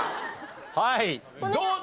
はいどうだ？